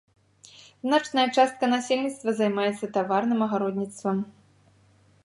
Значная частка насельніцтва займаецца таварным агародніцтвам.